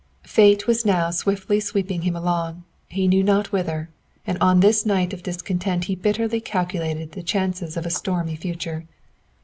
Fate was now swiftly sweeping him along, he knew not whither, and on this night of discontent he bitterly calculated the chances of a stormy future.